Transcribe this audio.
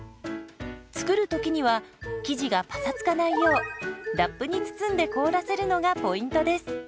作る時には生地がパサつかないようラップに包んで凍らせるのがポイントです。